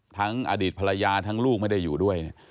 อดีตภรรยาทั้งลูกไม่ได้อยู่ด้วยเนี่ย